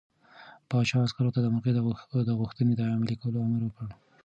پاچا عسکرو ته د مرغۍ د غوښتنې د عملي کولو امر وکړ.